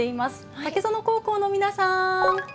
竹園高校の皆さん。